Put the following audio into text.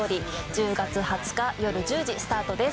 １０月２０日よる１０時スタートです